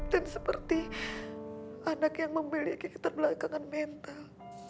dan seperti anak yang memiliki keterbelakangan mental